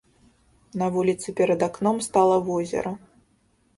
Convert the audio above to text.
На вуліцы перад акном стала возера.